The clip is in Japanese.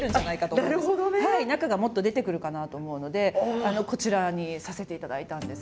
中がもっと出てくるかなと思うのでこちらにさせていただいたんです。